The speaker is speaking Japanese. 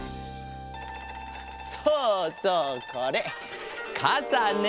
そうそうこれかさね！